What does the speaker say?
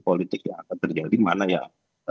politik yang akan terjadi mana yang